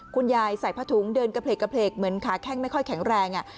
คุณยายใส่ผ้าถุงเดินกระเพลกเหมือนขาแข้งไม่ค่อยแข็งแรง